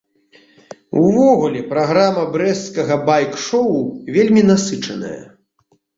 Увогуле праграма брэсцкага байк-шоў вельмі насычаная.